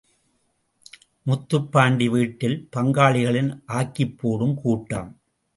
முத்துப்பாண்டி வீட்டில், பங்காளிகளின் ஆக்கிப் போடும் கூட்டம்.